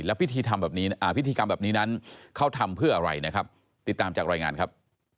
พิธีทำแบบนี้พิธีกรรมแบบนี้นั้นเขาทำเพื่ออะไรนะครับติดตามจากรายงานครับ